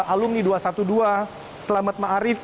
alunni dua ratus dua belas selamat ma'arif